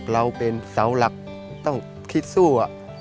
เราเป็นเสาหลักต้องคิดสู้